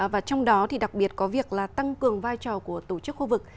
và trong đó thì đặc biệt có việc là tăng cường vai trò của tổ chức khu vực